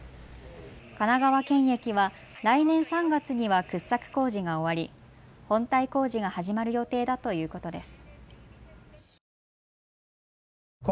神奈川県駅は来年３月には掘削工事が終わり本体工事が始まる予定だということです。